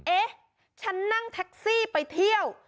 เอ๊ะฉันนั่งแท็กซี่ไปเที่ยว